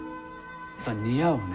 似合うね。